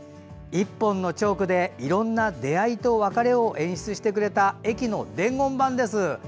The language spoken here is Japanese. １本のチョークでいろんな出会いと別れを演出してくれた駅の伝言板です。